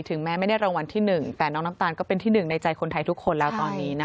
แม้ไม่ได้รางวัลที่๑แต่น้องน้ำตาลก็เป็นที่หนึ่งในใจคนไทยทุกคนแล้วตอนนี้นะคะ